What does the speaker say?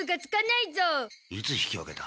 いつ引き分けた？